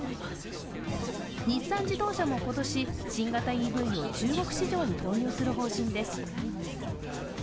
日産自動車も今年、新型ＥＶを中国市場に投入する方針です。